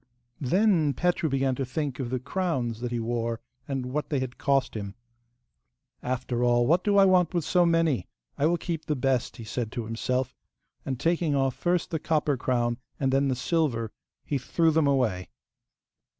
Then Petru began to think of the crowns that he wore, and what they had cost him. 'After all, what do I want with so many? I will keep the best,' he said to himself; and taking off first the copper crown and then the silver, he threw them away.